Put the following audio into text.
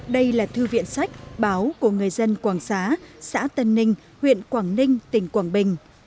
đây là thư viện sách báo của người dân quảng xá xã tân ninh huyện quảng ninh tỉnh quảng bình